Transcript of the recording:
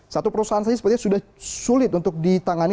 satu perusahaan saja sepertinya sudah sulit untuk ditangani